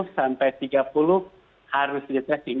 sampai tiga puluh harus di tracing